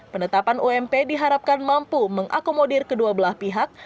penetapan ump diharapkan mampu mengakomodir kedua belah pihak